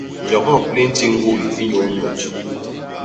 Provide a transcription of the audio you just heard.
Jogop li nti ñguy i nyuu mut.